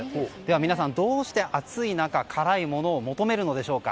皆さん、どうして暑い中辛いものを求めるのでしょうか。